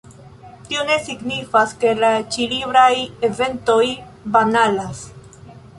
Tio ne signifas, ke la ĉi-libraj eventoj banalas.